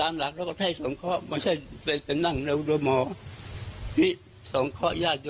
ไม่ใช่ไปนั่งดูมะครับ